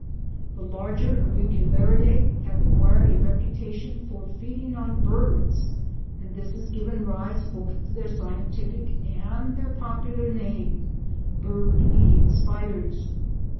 The larger Aviculariidae have acquired a reputation for feeding on birds, and this has given rise both to their scientific and their popular name—bird eating spiders.